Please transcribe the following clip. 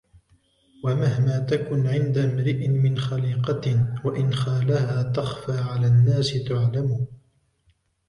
وَمَهْمَا تَكُنْ عِنْدَ امْرِئٍ مِنْ خَلِيقَةٍ وَإِنْ خَالَهَا تَخْفَى عَلَى النَّاسِ تُعْلَمْ